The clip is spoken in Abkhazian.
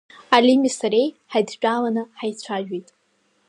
Алими сареи ҳаидтәаланы ҳаицәажәеит.